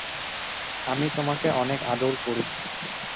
আমি তোমাকে অনেক আদর করি।